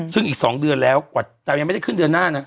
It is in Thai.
ซึ่งอีก๒เดือนแล้วกว่าแต่ยังไม่ได้ขึ้นเดือนหน้านะ